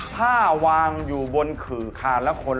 ถ้าวางอยู่บนขื่อคานและคน